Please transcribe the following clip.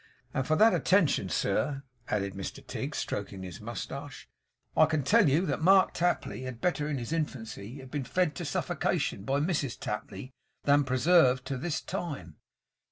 And for that attention, sir,' added Mr Tigg, stroking his moustache, 'I can tell you, that Mark Tapley had better in his infancy have been fed to suffocation by Mrs Tapley, than preserved to this time.